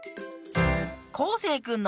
こうせいくんの。